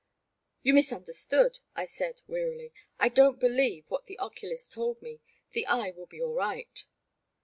You misunderstood,'' I said, wearily. I don't believe what the oculist told me; the eye will be all right."